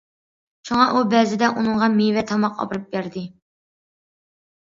شۇڭا ئۇ بەزىدە ئۇنىڭغا مېۋە، تاماق ئاپىرىپ بەردى.